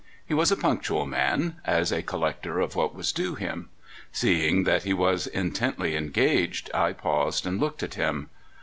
He was a punctual man — as a collector of what was due him. Seeing that he was intently engaged, I paused and looked at him.